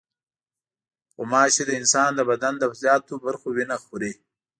غوماشې د انسان د بدن د زیاتو برخو وینه خوري.